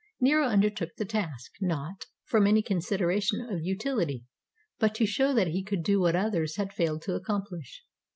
Nero undertook the task, not from any consideration of utiHty, but to show that he could do what others had failed to accompHsh.